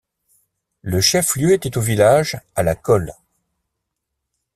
Le chef-lieu était au village à la Colle.